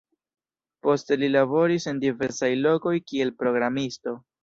Poste li laboris en diversaj lokoj kiel programisto.